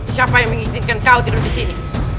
siapa yang mengizinkan kau tidur disini